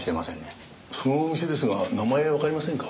そのお店ですが名前わかりませんか？